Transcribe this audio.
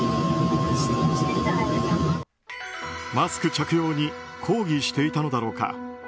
マスク着用に抗議していたのだろうか。